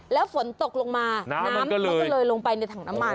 แล้วฝนตกลงมาน้ำมันก็เลยลงไปในถังน้ำมัน